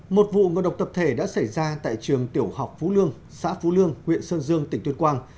một vụ ngộ độc tập thể đã xảy ra tại trường tiểu học phú lương xã phú lương huyện sơn dương tỉnh tuyên quang